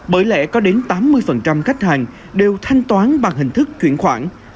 bởi lẽ có đến tám mươi khách hàng đều thanh toán bằng hình thức chuyển khoản